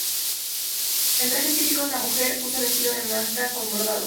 En Trajes típicos, la mujer usa vestido de manta con bordados.